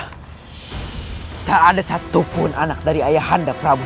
tidak ada satu pun anak dari ayah nanda prabu